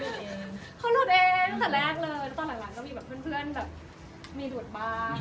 เขาหลุดเองตั้งแต่แรกเลยตอนหลังซักครั้งมีเพื่อนไปเหมือนตอบ